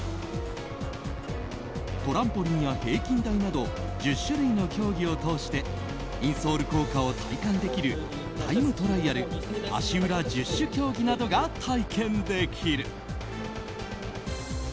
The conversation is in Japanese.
トランポリンや平均台など１０種類の競技を通してインソール効果を体感できるタイムトライアル足裏十種競技などが体験できる。